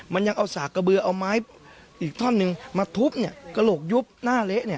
มันยังเอาสากกระเบือเอาไม้อีกท่อนหนึ่งมาทุบเนี่ยกระโหลกยุบหน้าเละเนี่ย